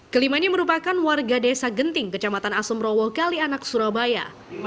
kelimanya merupakan warga desa genting kecamatan asemrowo kalianak surabaya